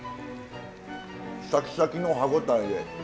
シャキシャキの歯応えで。